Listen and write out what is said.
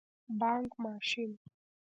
🏧 بانګ ماشین